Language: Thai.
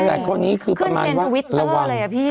แต่คนนี้คือประมาณว่า